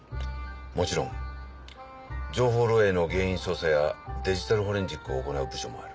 もちろん情報漏洩の原因捜査やデジタルフォレンジックを行う部署もある。